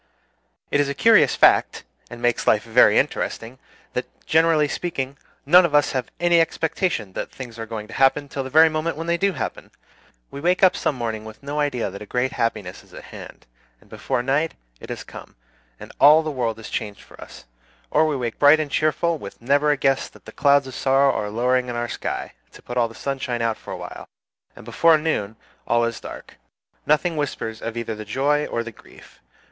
It is a curious fact, and makes life very interesting, that, generally speaking, none of us have any expectation that things are going to happen till the very moment when they do happen. We wake up some morning with no idea that a great happiness is at hand, and before night it has come, and all the world is changed for us; or we wake bright and cheerful, with never a guess that clouds of sorrow are lowering in our sky, to put all the sunshine out for a while, and before noon all is dark. Nothing whispers of either the joy or the grief.